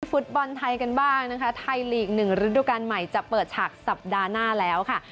ฟุตบอลไทยกันบ้างนะคะไทยลีก๑ฤดูการใหม่จะเปิดฉากสัปดาห์หน้าแล้วค่ะ